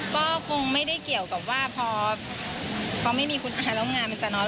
ก็คงไม่ได้เกี่ยวกับว่าพอไม่มีคุณอาแล้วงานมันจะน้อย